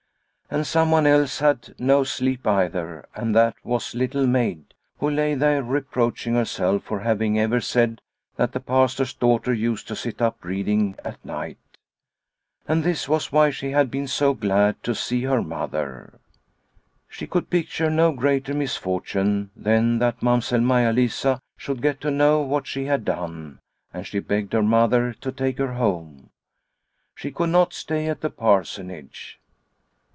The Pastor of Svartsjo 85 And someone else had no sleep either, and that was Little Maid, who lay there reproaching herself for having ever said that the Pastor's daughter used to sit up reading at night. And this was why she had been so glad to see her mother. She could picture no greater misfortune than that Mamsell Maia Lisa should get to know what she had done, and she begged her mother to take her home. She could not stay at the Parsonage.